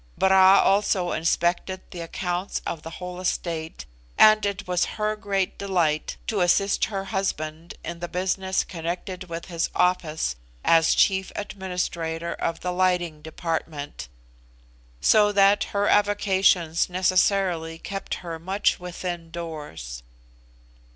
Bra also inspected the accounts of the whole estate, and it was her great delight to assist her husband in the business connected with his office as chief administrator of the Lighting Department, so that her avocations necessarily kept her much within doors.